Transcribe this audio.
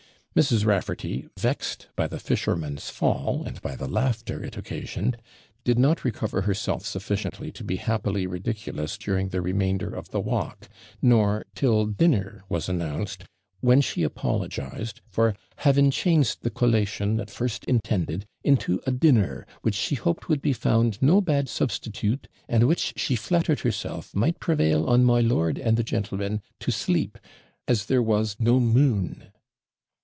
Mrs. Raffarty, vexed by the fisherman's fall, and by the laughter it occasioned, did not recover herself sufficiently to be happily ridiculous during the remainder of the walk, nor till dinner was announced, when she apologised for 'having changed the collation, at first intended, into a dinner, which she hoped would be found no bad substitute, and which she flattered herself might prevail on my lord and the gentlemen to sleep, as there was no moon.'